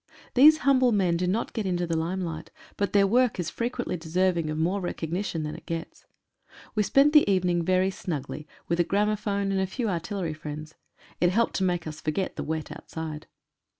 These humble men do not get into the limelight, but their work is frequently deserving of more recognition than it gets. We spent the evening very snugly, with a gramo phone and a few artillery friends. It helped to make us forget the wet outside.